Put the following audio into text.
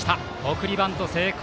送りバント成功。